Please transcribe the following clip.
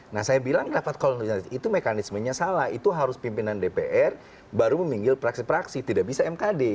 nah saya bilang rapat koordinasi itu mekanismenya salah itu harus pimpinan dpr baru memanggil praksi praksi tidak bisa mkd